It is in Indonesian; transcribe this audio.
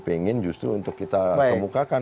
pengen justru untuk kita kemukakan